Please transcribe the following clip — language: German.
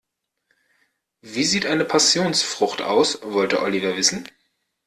"Wie sieht eine Passionsfrucht aus?", wollte Oliver wissen.